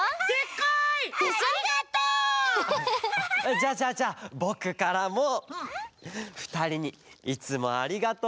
じゃあじゃあじゃあぼくからもふたりにいつもありがとうのはいおはな！